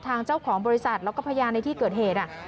ทางเจ้าของบริษัทแล้วก็พยานในที่เกิดเหตุ